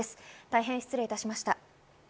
大変失礼いたしました。